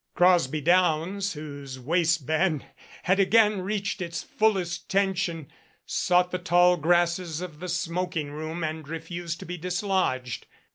Crosby Downs, whose waistband had again reached its fullest tension, sought the tall grasses of the smoking room and refused to be dislodged.